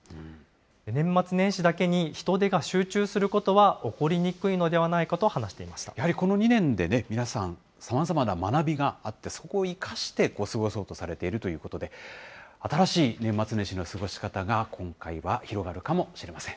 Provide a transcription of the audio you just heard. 年末年始だけに人出が集中することは起こりにくいのではないかとやはりこの２年で皆さん、さまざまな学びがあって、そこを生かして過ごそうとされているということで、新しい年末年始の過ごし方が今回は広がるかもしれません。